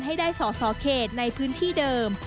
ให้ได้สอสอเขตในพื้นที่เดิม